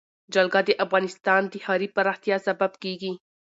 جلګه د افغانستان د ښاري پراختیا سبب کېږي.